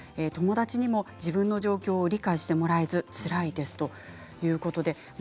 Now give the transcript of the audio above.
友達にも自分の状況を理解してもらえずつらいです、ということです。